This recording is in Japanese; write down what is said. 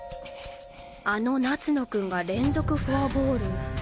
あの夏野君が連続フォアボール。